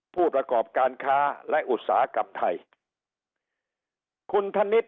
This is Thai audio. ผู้ประกอบการค้าและอุตสาหกรรมไทยคุณธนิษฐ